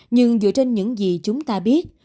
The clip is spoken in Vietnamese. nhưng dựa trên những gì chúng ta biết